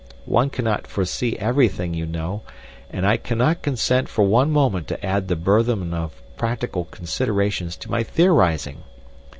One cannot foresee everything, you know, and I cannot consent for one moment to add the burthen of practical considerations to my theorising.